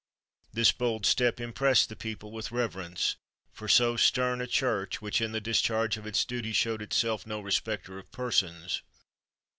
This bold step impressed the people with reverence for so stern a Church, which in the discharge of its duty shewed itself no respecter of persons.